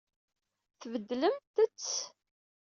Tbeddlemt-t?